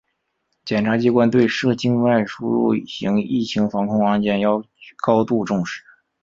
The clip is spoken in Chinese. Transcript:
检察机关对涉境外输入型疫情防控案件要高度重视